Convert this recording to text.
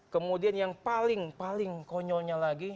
kemudian yang paling paling konyolnya lagi